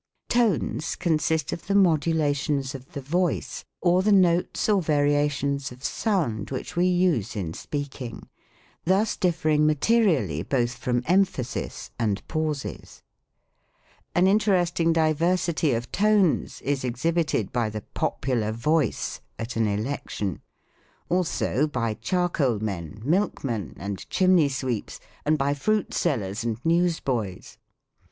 Tones consist of the modulations of the voice, or the notes or variations of sound which we use in speak ing : thus differing materially both from emphasis, and pauses. An interesting diversity of U}nes is exhibited by the popular voice at an election. Also by charcoal men, milk men, and chimney, sweeps; and by fruit sellers, and news boys.